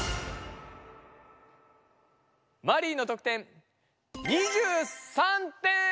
マリイの得点２３点！